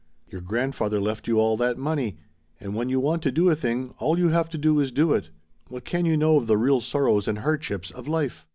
_ "Your grandfather left you all that money, and when you want to do a thing all you have to do is do it. What can you know of the real sorrows and hardships of life?"